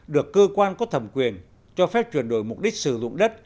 được cơ quan có thẩm quyền cho phép chuyển đổi mục đích sử dụng đất